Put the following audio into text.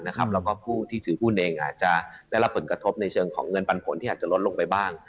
แล้วก็ผู้ที่ถือหุ้นเองอาจจะได้รับผลกระทบในเชิงของเงินปันผลที่อาจจะลดลงไปบ้าง